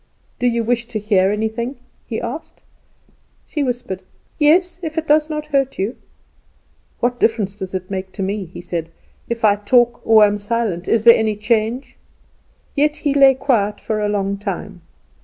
"Do you wish to hear anything?" he asked. She whispered: "Yes, if it does not hurt you." "What difference does it make to me?" he said. "If I talk or am silent, is there any change?" Yet he lay quiet for a long time.